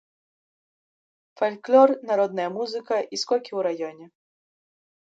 Фальклор, народная музыка і скокі ў раёне.